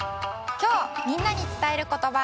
きょうみんなにつたえることば。